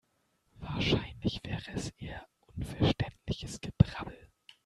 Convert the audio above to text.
Wahrscheinlich wäre es eher unverständliches Gebrabbel.